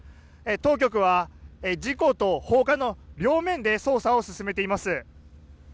当局は、事故と放火の両面で捜査を進めています。